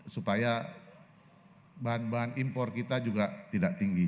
supaya bahan bahan impor kita juga tidak tinggi